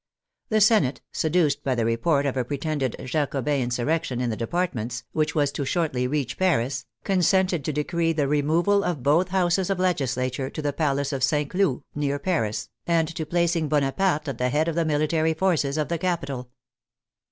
The Senate, seduced by the report of a pretended Jacobin insurrection in the departments, which was to shortly reach Paris, consented to decree the removal of both houses of legislature to the palace of St. Cloud, near Paris, and to placing Bonaparte at the head of the mili tary forces of the capital.